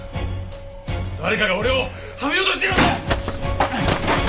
誰かが俺をはめようとしているんだ！